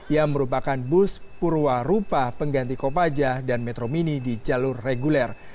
yang merupakan bus purwarupa pengganti kopaja dan metro mini di jalur reguler